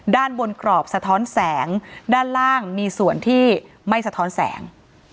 ด้านบนกรอบสะท้อนแสงด้านล่างมีส่วนที่ไม่สะท้อนแสง